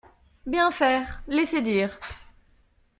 Bien faire, laisser dire